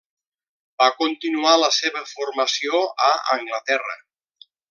Va continuar la seva formació a Anglaterra.